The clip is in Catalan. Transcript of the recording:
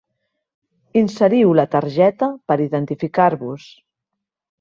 Inseriu la targeta per identificar-vos.